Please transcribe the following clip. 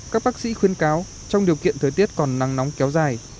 các bác sĩ khuyên cáo trong điều kiện thời tiết còn nắng nóng kéo dài